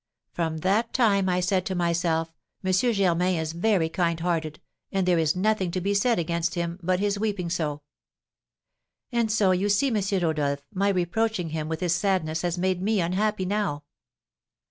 From that time I said to myself, M. Germain is very kind hearted, and there is nothing to be said against him, but his weeping so. And so, you see, M. Rodolph, my reproaching him with his sadness has made me unhappy now.